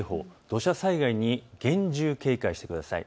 土砂災害に厳重警戒してください。